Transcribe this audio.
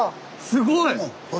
すごい。